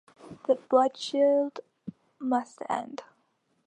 The bloodshed must end.